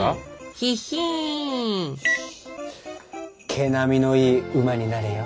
毛並みのいい馬になれよ。